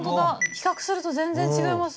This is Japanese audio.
比較すると全然違います。